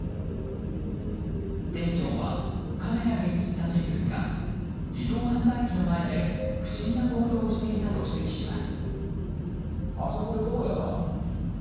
店長はカメラに映った人物が自動販売機の前で不審な行動をしていたと指摘します。